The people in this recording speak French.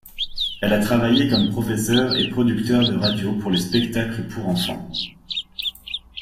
Elle a travaillé comme professeur et producteur de radio pour les spectacles pour enfants.